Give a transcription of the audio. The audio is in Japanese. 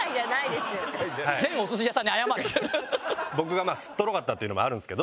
僕がすっとろかったっていうのもあるんですけど。